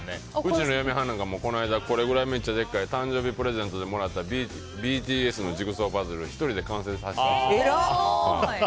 うちの嫁はんなんかこの間、これくらいでかい誕生日プレゼントでもらったＢＴＳのパズル１人で完成させてました。